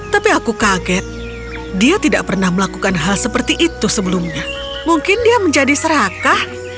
tapi aku kaget dia tidak pernah melakukan hal seperti itu sebelumnya mungkin dia menjadi serakah